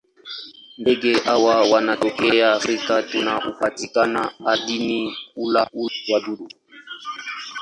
Ndege hawa wanatokea Afrika tu na hupatikana ardhini; hula wadudu.